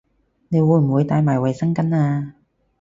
你會唔會帶埋衛生巾吖